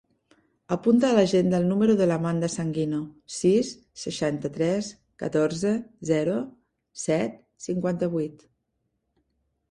Apunta a l'agenda el número de l'Amanda Sanguino: sis, seixanta-tres, catorze, zero, set, cinquanta-vuit.